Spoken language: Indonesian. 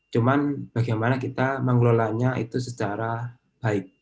cuman bagaimana kita mengelolanya itu secara baik